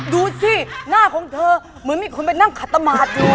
ดูสิหน้าของเธอเหมือนมีคนไปนั่งขัดตมาตรอยู่